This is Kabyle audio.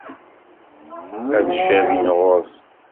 Ad cabin ɣur-sen.